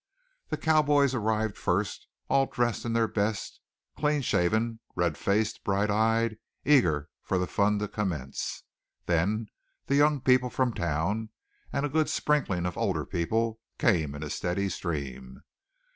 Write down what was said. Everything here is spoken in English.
The cowboys arrived first, all dressed in their best, clean shaven, red faced, bright eyed, eager for the fun to commence. Then the young people from town, and a good sprinkling of older people, came in a steady stream.